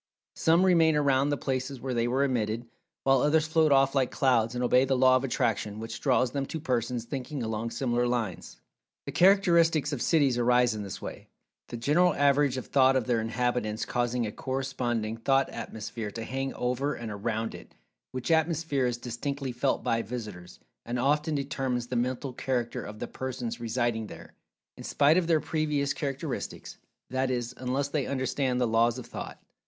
Some remain around the places where they were emitted, while others float off like clouds, and obey the Law of Attraction which draws them to persons thinking along similar lines. The characteristics of cities arise in this way, the general average of Thought of their inhabitants causing a corresponding Thought atmosphere to hang over and around it, which atmosphere is distinctly felt by visitors, and often determines the mental character of the persons residing there, in spite of their previous characteristics—that is, unless they understand the Laws of Thought.